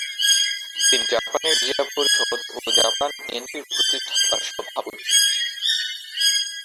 তিনি জাপানের জিয়া পরিষদ ও জাপান বিএনপির প্রতিষ্ঠাতা সভাপতি।